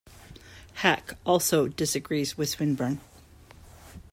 Haack also disagrees with Swinburne.